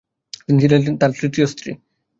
তিনি ছিলেন তার তৃতীয় স্ত্রী।